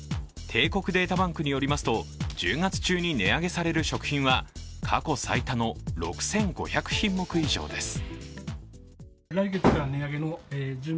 帝国データバンクによりますと１０月中に値上げされる食品は過去最多の６５００品目以上です。